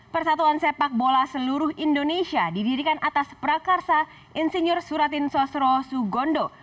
persatuan sepak bola seluruh indonesia didirikan atas prakarsa insinyur suratin sosro sugondo